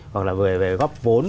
hoặc là về góp vốn